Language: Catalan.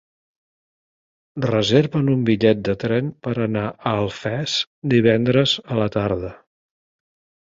Reserva'm un bitllet de tren per anar a Alfés divendres a la tarda.